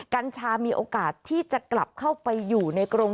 กัญชามีโอกาสที่จะกลับเข้าไปอยู่ในกรง